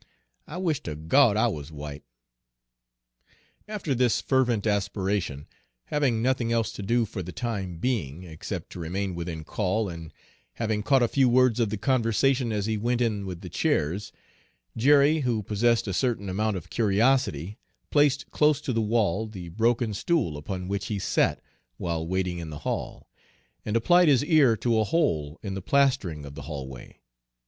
I wush ter Gawd I wuz w'ite!" After this fervent aspiration, having nothing else to do for the time being, except to remain within call, and having caught a few words of the conversation as he went in with the chairs, Jerry, who possessed a certain amount of curiosity, placed close to the wall the broken stool upon which he sat while waiting in the hall, and applied his ear to a hole in the plastering of the hallway.